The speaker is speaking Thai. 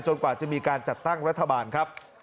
กว่าจะมีการจัดตั้งรัฐบาลครับ